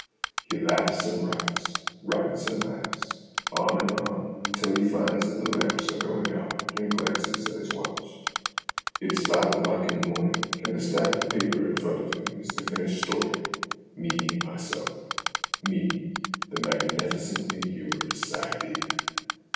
He laughs and writes, writes and laughs, on and on, until he finds that the lamps are going out, and glances at his watch. It is five o'clock in the morning, and the stack of paper in front of him is the finished story me myself me, the magnificently humorous idea.